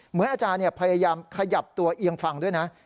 เหมือนอาจารย์พยายามขยับตัวเอียงฟังด้วยนะ